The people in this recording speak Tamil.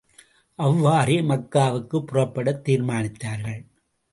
அவ்வாறே மக்காவுக்குப் புறப்படத் தீர்மானித்தார்கள்.